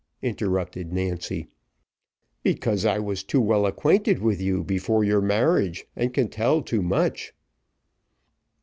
interrupted Nancy. "Because I was too well acquainted with you before your marriage, and can tell too much."